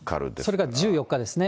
それが１４日ですね。